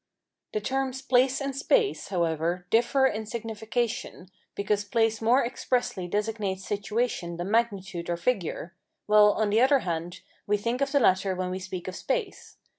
The terms place and space, however, differ in signification, because place more expressly designates situation than magnitude or figure, while, on the other hand, we think of the latter when we speak of space.